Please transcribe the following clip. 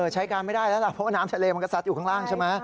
ใช้การไม่ได้แล้วเพราะว่าน้ำทะเลมันกระสัดอยู่ข้างล่าง